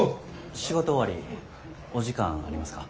仕事終わりお時間ありますか？